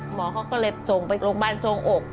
หมอเขาก็เลยส่งไปโรงพยาบาลทรงอก